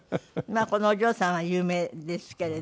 このお嬢さんは有名ですけれど。